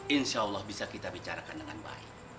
insya allah bisa kita bicarakan dengan baik